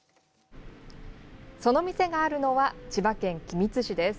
その店があるのは千葉県君津市です。